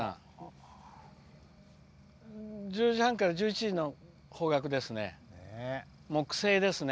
１０時半から１１時の方角ですね。